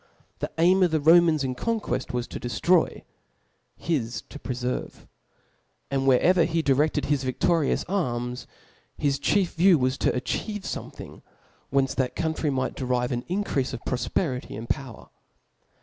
The aini qf the Romans in conqueft was to deftroy, ^ his to prefcrve ; and wherever he directed his victorious arms, his chief view wa; to atchieve fpmething^ from whence that country might derive an ipcreafe of profperity and powef.